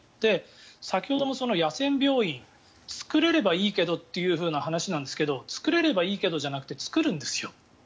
先ほども野戦病院作れればいいけどっていう話なんですけど作れればいいけどじゃなくて作るんですよ。